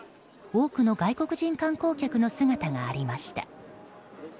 多くの外国人観光客の姿がありました。